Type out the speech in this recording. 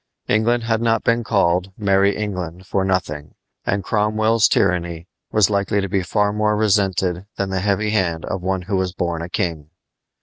England had not been called "Merry England" for nothing; and Cromwell's tyranny was likely to be far more resented than the heavy hand of one who was born a king.